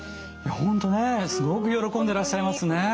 本当ねすごく喜んでらっしゃいますね。